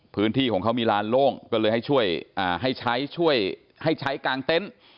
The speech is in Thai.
พื้นที่ของเขามีลานโล่งก็เลยให้ช่วยให้ใช้ช่วยให้ใช้กลางเต็นต์